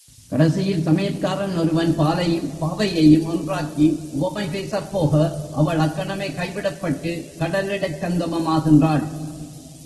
கடைசியில், சமையற்காரன் ஒருவன் பாலையும் பாவையையும் ஒன்றாக்கி உவமை பேசப்போக, அவள் அக்கணமே கைவிடப்பட்டு, கடலிடைச் சங்கமம் ஆகின்றாள்.